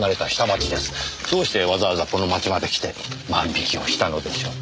どうしてわざわざこの町まで来て万引きをしたのでしょう。